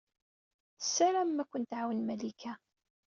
Tessaramem ad ken-tɛawen Malika.